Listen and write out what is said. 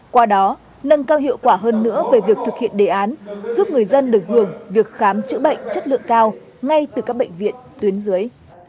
qua đó nâng cao hiệu quả hơn nữa về việc thực hiện đề án giúp người dân được hưởng việc khám chữa bệnh chất lượng cao ngay từ các bệnh viện tuyến dưới